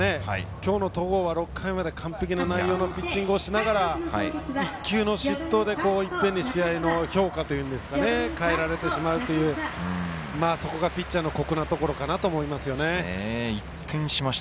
きょうの戸郷は６回まで完璧な内容のピッチングをしながら１球の失投で１点で評価を変えられてしまうというそこがピッチャーの酷なところだと思います。